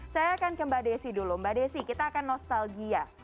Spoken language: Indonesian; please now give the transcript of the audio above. saya akan ke mbak desi dulu mbak desi kita akan nostalgia